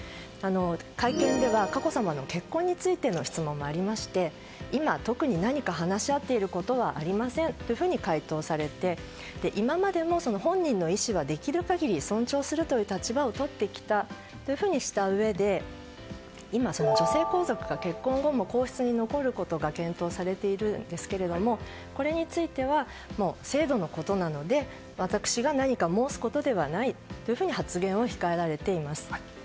会見では佳子さまの結婚についての質問もありまして今、特に何か話し合っていることはありませんというふうに回答されて今までも本人の意思はできる限り尊重するという立場をとってきたというふうにしたうえで今、女性皇族が結婚後も皇室に残ることが検討されているんですがこれについては制度のことなので私が何か申すことではないというふうに発言を控えられています。